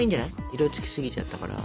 色付きすぎちゃったから。